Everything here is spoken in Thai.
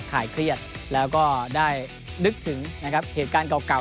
หายเครียดแล้วก็ได้นึกถึงนะครับเหตุการณ์เก่า